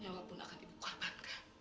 nyawa pun akan ibu korbankan